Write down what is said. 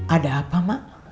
ada apa mak